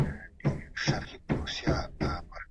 انټرنیټ د خلکو ترمنځ فاصلې کمې کړې دي.